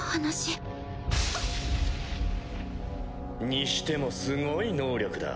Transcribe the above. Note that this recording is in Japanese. にしてもすごい能力だ。